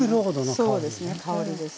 そうですね香りです。